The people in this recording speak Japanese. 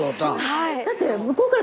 はい。